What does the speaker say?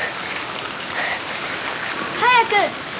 早く！